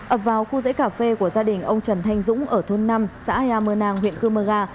ấp vào khu rẫy cà phê của gia đình ông trần thanh dũng ở thôn năm xã ea mơ nàng huyện cơ mơ ga